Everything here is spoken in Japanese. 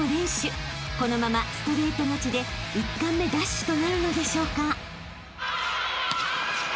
［このままストレート勝ちで１冠目奪取となるのでしょうか］